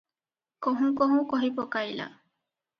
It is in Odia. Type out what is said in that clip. କହୁଁ କହୁଁ କହିପକାଇଲା ।